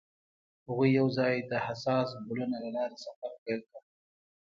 هغوی یوځای د حساس ګلونه له لارې سفر پیل کړ.